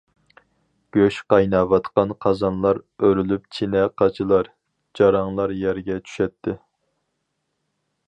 گۆش قايناۋاتقان قازانلار ئۆرۈلۈپ، چىنە-قاچىلار جاراڭلاپ يەرگە چۈشەتتى.